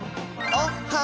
おっは！